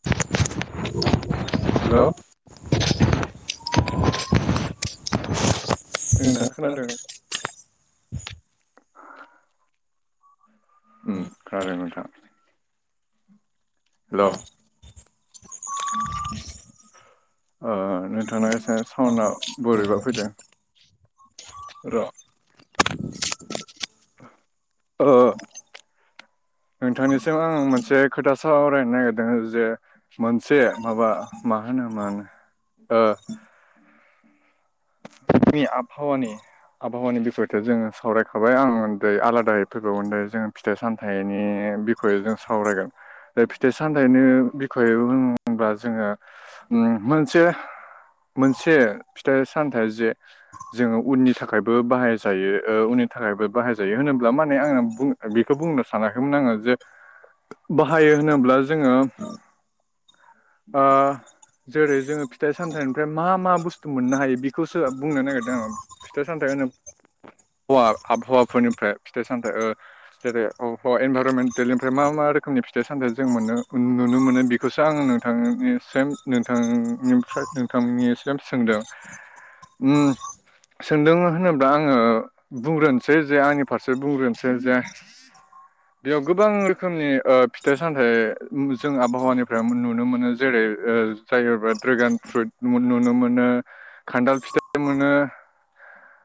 [inaudible] हेल। [inaudible] नोंथाङा खोनादों [unintelligible] हो‌म खोनादों नोंथां। हेल! ओ नोंथाना एसे सावना बोरैबा फैदो। र', ओ नोंथांनिसिम आं मोनसे खोथा सावरायनो नागिरदों जे मोनसे माबा मा होनोमोन ओ जोंनि आबहावानि आबहावानि बिखयथ' जोङो सावरायखाबाय, आं दायो आलादायै फैबावगोन दायो जोङो फिथाइ सामथाइनि बिख खयै जों सावरायगोन, ओ फिथाइ सामथायाइनि बिखयै होनबा जोङो ओम मोनसे मोनसे फिथाइ सामथाय जे जोङो उननि थाखायबो बाहायजायो, ओ उननि थाखायबो बाहाय जायो होनोब्ला माने आङो बुं बेखौ बुंनो सानाखैमोन आङो जे बाहायो होनोब्ला जोङो ओ जेरै जोङो फिथाइ सामथाइनिफ्राय मा मा बुस्थु मोननो हायो बिखौसो बुंनो नागिरदों आं। फिथा सामथाय होनो हवा आबहावाफोरनिफ्राय फिथाइ सामथाइ ओ जेरै अबहावा इनभारमेन्टेलनिफ्राय मा मा रोखोमनि फिथाइ सामथाइ जों मोनो, नुनो मोनो दि बेखौसो आं नोंथांनिसिम नोंथांनिफ्राय नोंथांनिसिम सोंदों। उम। सोंदों होनोब्ला आङो बुंग्रोनसै जे आंनि फारसे बुंग्रोनोसै जे [inaudible] बेयाव गोबां रोखोमनि ओ फिथाइ सामथाइ जों आबहावानिफ्राय नुनो मोनो जेरै ओ जायोबा ड्रेगान फ्रुइट नुनो मोनो, खान्थाल फिथाइ मोनो।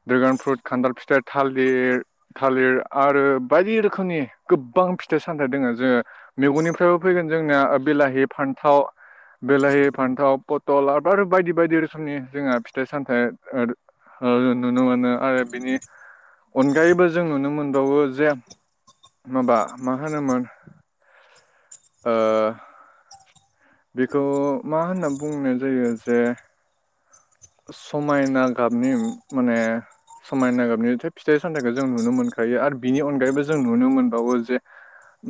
ड्रगान फ्रुइट, खान्थाल फिथाइ, थालिर थालिर आरो बायदि रोखोमनि गोबां फिथाइ सामथाइ दोङो जोङो मेगंनिफ्रायबो फैगोन जोंनिया बिलाहि, फान्थाव बिलाहि, फान्थाव, पथल आरो [unintelligible] बायदि बायदि रोखोमनि जोंहा फि फिथाइ सामथाय [unintelligible] नुनो मोनो आरो बिनि अनगायैबो जों नुनो मोनबावो जे माबा मा होनोमोन ओ बेखौ मा होनना बुंनाय जायो जे समायना गाबनि माने समायना गाबनि फिथाइ सामथाइखौ जों नुनो मोनखायो आरो बिनि अनगायैबो जों नुनो मोनबावो जे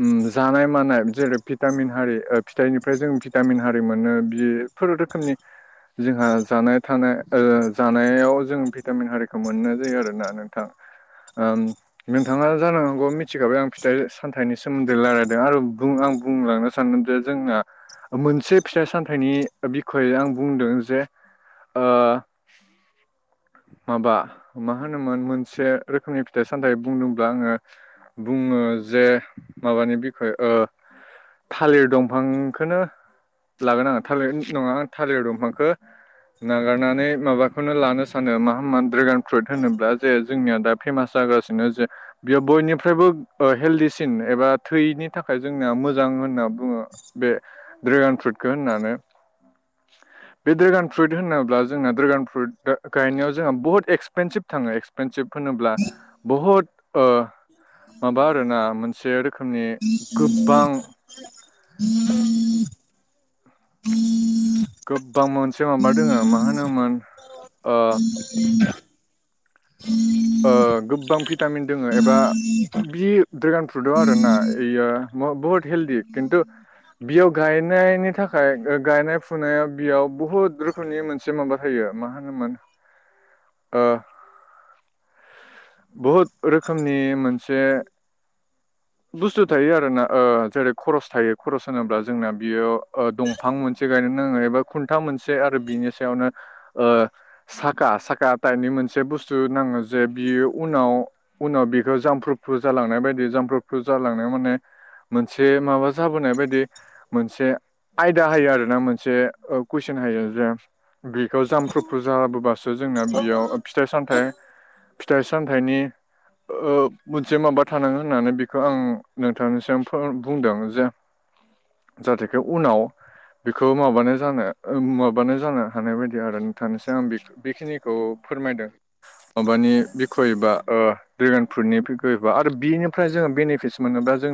ओम जानाय मानाय जेरै भिटामिन हारि ओ फिथाइनिफ्राय जों भिटामिन हारि मोनो बि फोर रोखोमनि जोंहा जानाय थांनो ओ जानायाव जों भिटामिन हारिखौ मोननाय जायो आरो ना नोंथां। ओम नोंथाङा जानो हागौ मिथिखाबाय आं फिथाइ सामथाइनि सोमोन्दै लारायलायदों आरो बुं आं बुंलांगासि सान जे जोंना मोनसे फिथाइ सामथाइनि बिखय आं बुंदों जे ओ माबा मा होनोमोन मोनसे रोखोमनि फिथाइ सामथाइ बुंदोंब्ला आङो बुङो जे माबानि बिखय ओ थालिर दंफांखोनो लागोन आंङो थालिर नङा आं थालिर दंफांखो नागारनानै माबा बेखौनो लानो सानो मा होमा ड्रेगान फ्रुइट होनोब्ला जे जोंनिया दा फेमास जागासिनो जे बेयो बयनिफ्रायबो ओ हेलदिसिन एबा थैनि थाखाय जोंना मोजां होनना बुङो बे ड्रेगान फ्रुइटखो होननानै बे ड्रेगान फ्रुइट होनोब्ला जोंना ड्रेगान फ्रुइटा बे गायनायाव जोंहा बुहुत एक्सपेनसिभ थाङो एक्सपेनसिभ होनोब्ला बुहुत ओ माबा आरोना मोनसे रोखोमनि गोबबां [inaudible] [inaudible] गोबबां मोनसे माबा दोङो मा होनोमोन‌ ओ ओ गोबबां भिटामिन दोङो एबा बि ड्रेगान फ्रुटआव आरो ना इयो बेयो बुहुत हेलडि खिन्थु बियाव गायनायनि थाखाय ओ गायनाय फुनायाव बियाव बुहुत रोखोम नि मोनसे माबा होयो मा होनोमोन ओह बहुद रोखोमनि मोनसे बुस्थु थायो आरोना ओ जेरै खरस थायो खरस होनोब्ला जोंना बियो दं फां मोनसे गायनो नाङो एबा खुन्था मोनसे आरो बिनि सायावनो ओ साका साका टाइपनि मोनसे बुस्थु नाङो जे बियो उनाव उनाव बेखौ जामफ्रुफ्रु जालांनाय बायदि जामफ्रुफ्रु जालांनायाव माने मोनसे माबा जाबोनाय बायदि मोनसे आयदा होयो आरो ना मोनसे कुइसन होयो जों। बेखौ जामफ्रुफ्रु जाबोबासो जोंना बियाव फिथाइ सामथाइ फिथाइ सामथाइनि ओ मोनसे माबा थानाङो होननानै बे बेखौ आं नोंथांनिसिम फोर बुंदों जे जाथायखो उनाव बेखौ माबानो जानो ओ माबानो जानो हानाय बायदि आरो नथानिसिम आं बेखौ बेखिनिखौ फोरमायदों। माबानि बिखयबा ओ ड्रेगन फ्रुइटनि बिखयबा आरो बिनिफ्राय जोङो बेनिफिट्स मोनोबा जों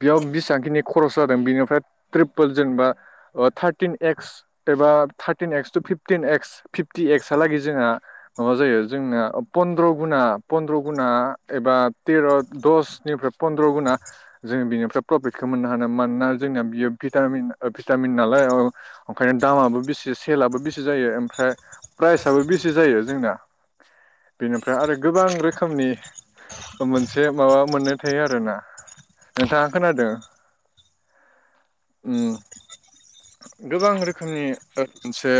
बेयाव बिसांखिनि खरस जादों बेनिफ्राय त्रिपोल जेनेबा ओ थारतिन एक्स एबा थार्टिन एक्स टु फिफटिन एक्स फिफ्टि एक्सा लागे जोंहा माबा जायो जोंना पन्द्र गुना पन्द्र गुना एबा तेर दसनिफ्राय फन्द्र गुना जोङो बिनिफ्राय प्रफिटखो मोननो हानो मानोना जोंना बियो भिटामिन ओ भिटामिन नालाय ओ ओंखायनो दामाबो बिसि सेलाबो बिसि जायो ओमफ्राय प्राइसआबो बिसि जायो जोंना। बेनिफ्राय आरो गोबां रोखोमनि मोनसे माबा मोनो थायो आरो ना। नोंथाङा खोनादों? ओम गोबां रोखोमनि ओ मोनसे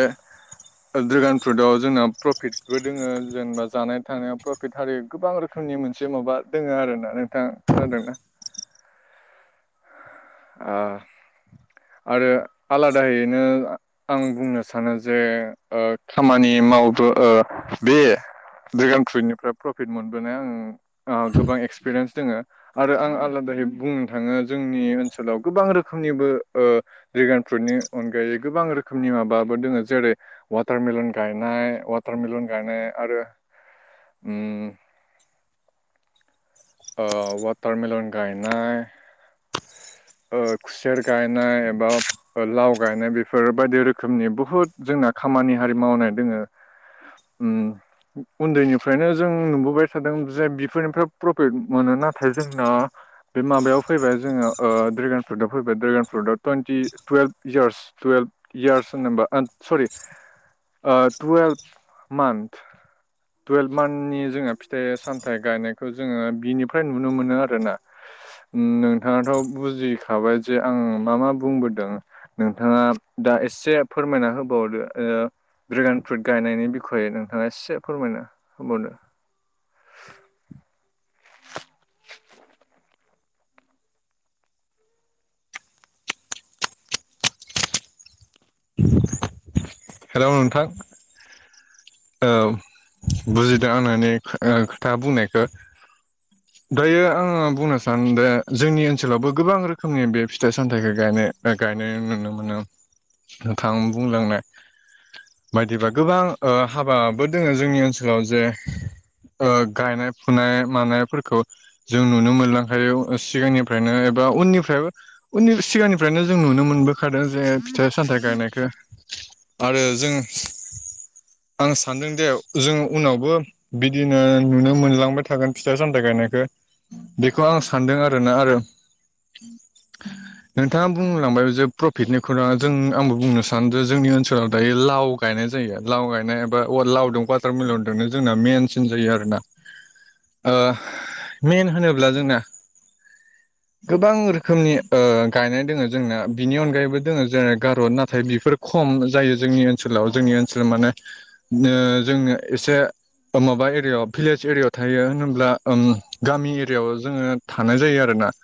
ओ ड्रेगान फ्रुटाव जोंना प्रफिटबो दोङो जेनबा जानाय थानायाव फ्र पित आरो गोबां रोखोमनि मोनसे माबा दोङो आरो ना, नोंथाङा खोनादोंना? ओ आरो आलादायैैनो आं बुंनो सानो जे ओ खामानि मावदों ओ बे ड्रेगन फ्रुइटनिफ्राय प्रफिट मोनबोनाय आं आ गोबां एक्सपिरियेन्स दङ आरो आं आलादायै बुंनो थाङो जोंनि ओनसोलाव गोबां रोखोमनिबो ओ ड्रेगन फ्रुइटनि अनगायै गोबां रोखोमनि माबाबो दोङो जेरै वाटारमेलन गायनाय वाटारमेलन गायनाय आरो उम ओ वाटारमेलन गायनाय ओ खुसेर गायनाय एबा लाव गायनाय बेफोर बायदि रोखोमनि बुहुत जोंना खामानि हारि मावनाय दोङो। ओम उन्दैनिफ्रायनो जों नुबोबाय थादों जे बिफोरनिफ्राय प्रफिट मोनो नाथाय जोंना बे माबायाव फैबाय जोङो ओ ड्रेगन फ्रुइटआव फैबाय ड्रेगन फ्रुटआव twenty twelve years twelve years होनोब ओ सरी ओ टुवेल्भ मान्थ टुवेल्भ मान्थनि जोङो फिथाइ सामथाइ गायनायखौ जोङो बिनिफ्राय नुनो मोनो आरो ना। नोंथाङाथ' बुजिखाबाय जे आं मा मा बुंबोदों नोंथाङा दा एसे फोरमायना होबावदो, ओ ड्रेगान फ्रुइट गायनायनि बिखयै नोंथाङा एसे फोरमायना होबावदो। हेल' नोंथां! औ बुजिदों आं नोंनि ओ खो खोथा बुंनायखौ। दायो आङो बुंनो सान दे जोंनि ओनसोलावबो गोबां रोखोमनि बे फिथाइ सामथाइखौ गायनो गायनाय नुनो मोनो, नोंथां बुंलांनाय बायदिबा गोबां ओ हाबाबो दोङो जोंनि ओनसोलाव जे ओ गायनाय फुनाय मानायफोरखौ जों नुनो मोनलांखायो ओ सिगांनि फ्रायनो एबा उननिफ्रायबो उननि सिगांनिफ्रायनो जों नुनो मोनबोखादों जे फिथाइ सामथाइ गायनायखौ। आरो जों आं सानदोंदि जों उनावबो बिदिनो नुनो मोनलांबायथागोन फिथाइ गायनायखौ। बेखौ आं सानदों आरोना, आरो नोंथाङा बुंलांबाय जे प्रफिटनि खौरां, जों आंबो बुंनो सानो जे जोंनि ओनसोला व दायो लाव गायनाय जायो लाव गायनाय एबा लावदों वाटारमेलनजोंनो जोंना मेइनसिन जायो आरोना। ओ मेइन होनोब्ला जोंना गोबां रोखोमनि ओ गायनाय दङ जोंना बिनि अनगायैबो दङो जेर गार' नाथाय बेफोर खम जोंनि ओनसोलाव जोंनि ओनसोलाव माने बिदिनो जोंनो एसे माबा एरियायाव भिलेज एरियायाव थायो होन्ला ओम गामि एरियायाव जोङो थानाय जायो आरोना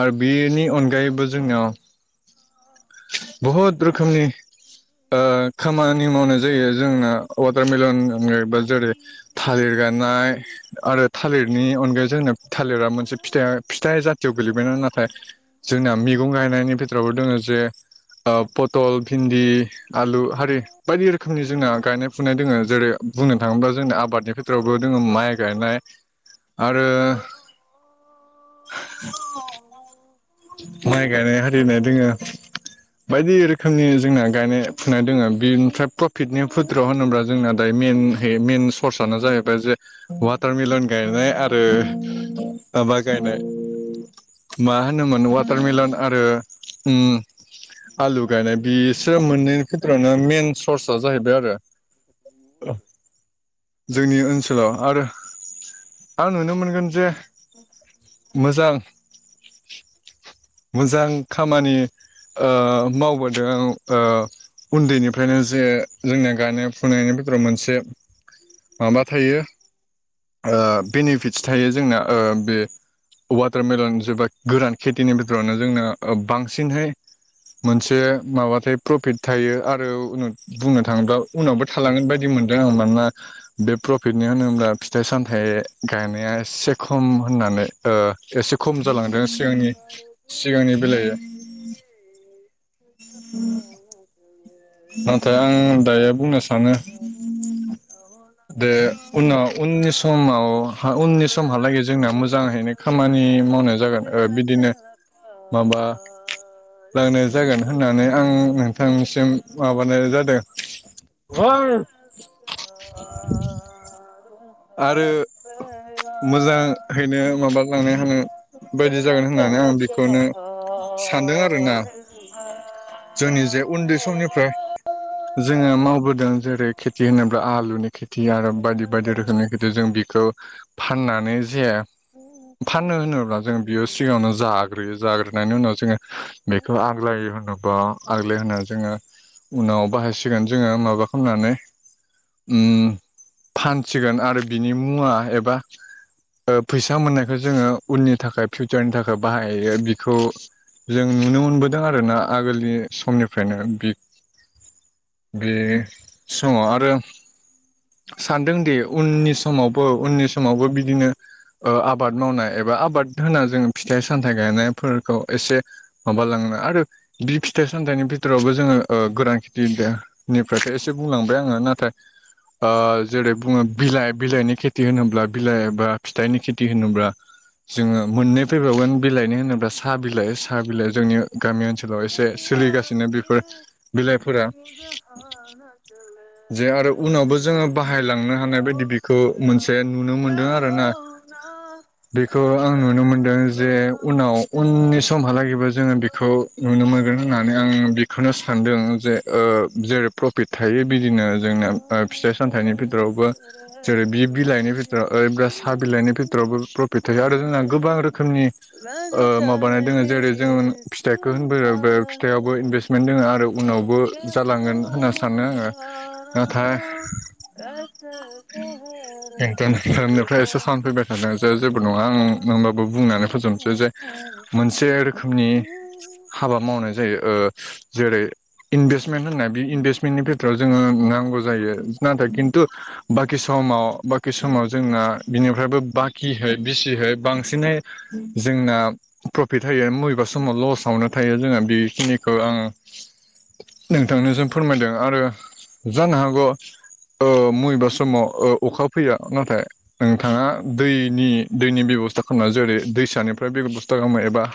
आरो बेनि अनगायैबो जोंनियाव बहुद रोखोमनि ओ खामानि मावनाय जायो जोंना वाटारमेलननि अनगायैबो जेरै थालिर गायनाय आरो थालिरनि अनगायै जोंना थालिरा मोनसे फिथाइ फिथाइ जातियाव गोलैबाय ना, नाथाय जोंना मैगं गायनायनि फिथोरावबो दोङो जे ओ पथल, भिनदि आलु हारि बायदि रोखोमनि जोंना गायनाय फुनाय दङो जेरै बुंनो थाङोब्ला जोंनि आबादनि बिथोरावबो दंङो माइ गायनाय आरो माय गायनाय आरिनाय जोङो बायदि रोखोमनि जोंना गायनाय नाय दोङो बेनिफ्राय प्रफिटनि फुद्रआव होनोब्ला जोंना दायो म मेन सर्सानो जाहैबाय जे वाटारमिलन गायनाय आरो माबा गायनाय मा होनोमोन वाटारमिलन आरो ओम आलु गायनाय बिसोर मोननै नो मेन सर्सआ जाहैदों आरो जोंनि ओनसोलाव आर आं नुनो मोनगोन जे मोजां मोजां खामानि ओ मावबोदों ओ उन्दैनिफ्रायनो जे जोंनिया गायनाय फुनायनि बिथोराव मोनसे माबा थायो ओ बेनिफिटस थायो जोंना ओ बे वाटारमेलन जेबा गोरान खेथिनि भिटोरावनो जोंना ओ बांसिनहाय मोनसे माबा थायो प्रफिट। थायो आरो उनुत बुंनो थाङोब्ला उनावबो थालांगोन बायदि मोनदों आङो मानोना बे प्रफिटनि होनोब्ला फिथाइ सामथाय गायनाया एसे खम होननानै ओ एसे खम जालांदों सिगांनि सिगांनि बेलायो [inaudible] नाथाय आं दायो बुंनो सानो [inaudible] दे उनाव उननि समाव उननि समहालागै जोंना मोजाहैनो खामानि नि मावनाय जागोन ओ बिदिनो माबा नि लांनाय जागोन होननानै आं नोंथांनिसिम माबानाय जादों आरो मोजाहैनो माबालांनो होनो बायदि जागोन होननानै आं बेखौनो सानदों आरोना [inaudible] जोंनि जे उन्दै समनिफ्राय जोङो मावबोदों जेरै खेथि होनोब्ला आलुनि खेथि। खेथि आरो बायदि बायदि रोखोमनि खेथि जों बिखौ फाननानै जे फाननो होनोब्ला जों बियो सिगाङावनो जाग्रोयो जाग्रोननि उनाव जोङो बेखौ आग्लायो होननो आग्लाय होना जोङो उनाव बाहायसिगोन जोङो माबा खामनानै उम फानसिगोन आरो बिनि मुवा एबा ओ फैसा मोननायखौ जोङो उननि थाखाय फिउचारनि थाखाय बाहायो बिखौ जों नुनो मोनबोदों आरो ना। आगोलनि समनिफ्रायनो बि बे समाव आरो सानदोंदि उननि समावबो उननि समावबो बिदिनो ओ आबाद मावनाय एबा आबाद होना जोङो फिथाइ सामथाइ गायनायफोरखौ एसे माबालांनो आरो बि फिथाइ सामथाइनि भितोरावबो जोङो ओ गोरान खेथि दे निफ्रायथ एसे बुंलांबाय आङो नाथाय ओ जेरै बुङो बिलाइ बिलाइनि खेथि होनोब्ला बिलाइ एबा फिथाइनि खेथि होनोब्ला जोङो मोननै फैबावगोन बिलाइनो होनोब्लासो हा बिलाइ साहा बिलाइ जोंनि गामि ओनसोलाव एसे सोलिगासिनो बेफोर बिलाइफोरा [unintelligible] जे आरो उनावबो जोङो बाहायलांनो हानाय बायदि बेखौ मोनसे नुनो मोनदों आरो ना [inaudible] बेखौ आं नुनो मोनदों जे उनाव उननिस समहालागैबो जोङो बेखौ नुनो मोनगोन होननानै आं बेखौनो सानदों ओं जे ओ जेरै प्रफिट थायो बिदिनो जोंना ओ फिथाइ सामथाइनि भितोरावबो जेरै बि बिलाइनि भितोराव ओरैब्रा साह बिलाइनि भितोरावबो प्रफिट थायो आरो जोंना गोबां रोखोमनि ओ माबानाय दोङो जेरै जोङो फिथाइखो होनबोयो बो फिथाइयाव बय इनभेस्मेन्ट दोङो आरो उनावबो जालांगोन होनना सानो आङो नाथाय एकदम सायदनिफ्राय एसे साउनफैबाय थादों जे जेबो नोंङा आं मोनबाबो बुंनानै फोजोबनोसै जे मोनसे रोखोमनि हाबा मावनाय जायो ओ जेरै इनभेस्टमेन्ट होननाय बे इनभेस्टमेन्टनिफाय [unintelligible] जोङो नांगौ जायो नाथाय खिन्थु बाखि समाव बा कि समाव जोंना बिनिफ्रायबो बाकिहै बिसिहाय बांसिनै जोंना प्रफिट होयो मबेबा समाव लसावनो थायो जोङो बेखिनिखौ आं नोंथांनो जों फोरमायदों आरो जानो हागौ ओ महेबा समाव ओ अखा फैया नाथाय नोंथाङा दैनि दैनि बेब'स्था खालामना जेरै दैसानिफ्राय बेबस्था खालामनाय एबा